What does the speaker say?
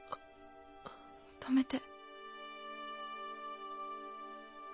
止めて。